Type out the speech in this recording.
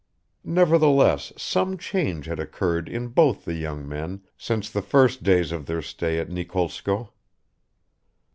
Nevertheless some change had occurred in both the young men since the first days of their stay at Nikolskoe.